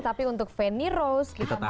tapi untuk feni rose kita masih ada